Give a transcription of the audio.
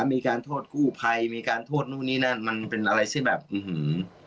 มีการโทษกู้ภัยมีการโทษนู่นนี่นั่นมันเป็นอะไรที่แบบอื้อหือ